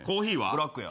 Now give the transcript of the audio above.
ブラックや。